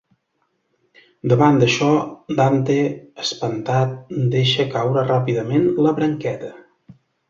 Davant d'això Dante espantat deixa caure ràpidament la branqueta.